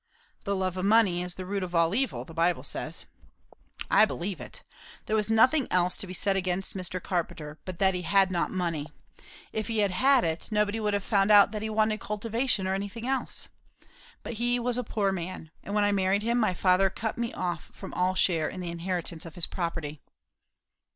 "'The love of money is the root of all evil,' the Bible says." "I believe it. There was nothing else to be said against Mr. Carpenter, but that he had not money; if he had had it, nobody would have found out that he wanted cultivation, or anything else. But he was a poor man. And when I married him, my father cut me off from all share in the inheritance of his property."